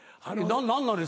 何なのよ